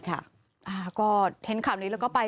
การเท้นขำนี้เราก็ไป